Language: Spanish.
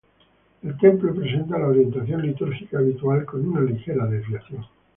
El templo presenta la orientación litúrgica habitual con una ligera desviación.